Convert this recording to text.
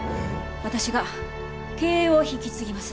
私が経営を引き継ぎます。